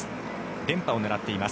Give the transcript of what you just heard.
連覇を狙っています。